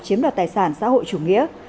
chiếm đoạt tài sản xã hội chủ nghĩa